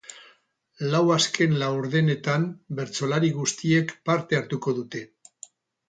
Lau azken-laurdenetan bertsolari guztiek parte hartuko dute.